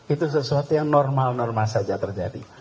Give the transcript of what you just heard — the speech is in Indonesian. itu sesuatu yang normal normal saja terjadi